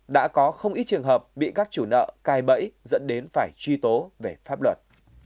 đã có không ít trường hợp bị các chủ nợ cai bẫy dẫn đến phải truy tố về pháp luật